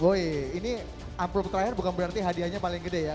boy ini amplop terakhir bukan berarti hadiahnya paling gede ya